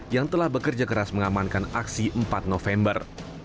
yang telah bekerja keras mengamankan aksi empat november